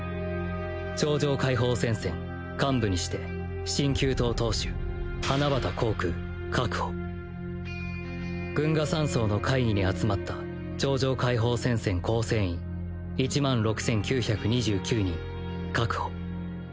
超常解放戦線幹部にして心求党党首花畑孔腔確保群訝山荘の会議に集まった超常解放戦線構成員１万６９２９人確保